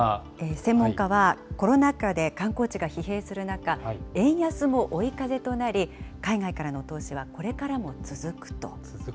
専門家は、コロナ禍で観光地が疲弊する中、円安も追い風となり、海外からの投資はこれからも続くと。